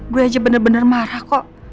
gue aja bener bener marah kok